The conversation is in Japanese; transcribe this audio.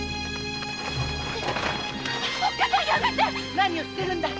何を言ってるんだい！